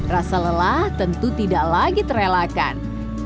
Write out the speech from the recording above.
rasa lelah tentu tidak lagi terelakan